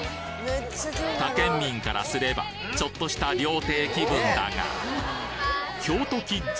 他県民からすればちょっとした料亭気分だが京都キッズ